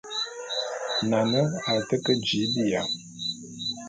Nane a te ke jii biya.